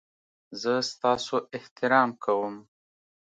زه ستاسو احترام کوم